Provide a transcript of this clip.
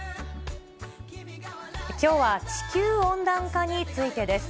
きょうは、地球温暖化についてです。